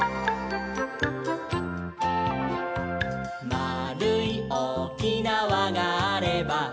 「まあるいおおきなわがあれば」